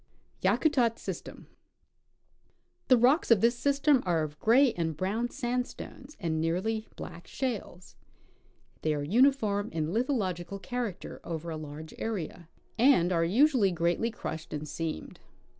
Yakutat System. The rocks of this system are of gray and brown sandstones and nearly black shales. They are uniforjoi in lithological character over a large area, and are usually greatly crushed and seamed.